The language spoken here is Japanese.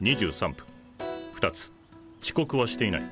２つ遅刻はしていない。